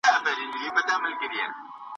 زه نو دلته څه ووايم ؟